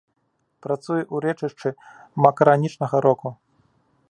Працуе ў рэчышчы макаранічнага року.